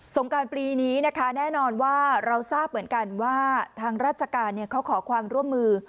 งการปีนี้นะคะแน่นอนว่าเราทราบเหมือนกันว่าทางราชการเขาขอความร่วมมือ